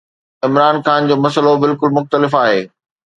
عمران خان جو مسئلو بلڪل مختلف آهي.